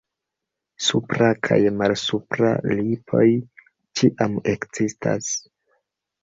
Supra kaj malsupra lipoj ĉiam ekzistas.